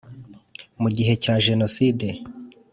Mu gihe cya Jenoside